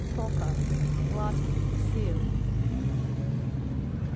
PHOCA. Lati'i. A Seal.